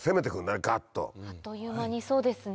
あっという間にそうですね。